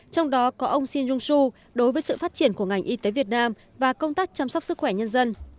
trong đó có ông shinjong su đối với sự phát triển của ngành y tế việt nam và công tác chăm sóc sức khỏe nhân dân